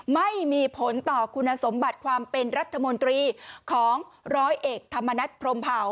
ไม่มีผลต่อคุณสมบัติความเป็นรัฐมนตรีของร้อยเอกธรรมนัฐพรมเผา